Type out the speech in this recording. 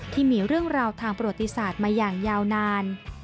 ที่มีเรื่องราวทางประวัติศาสตร์มาอย่างยาวนาน